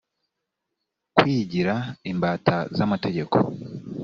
kwigira imbata z amategeko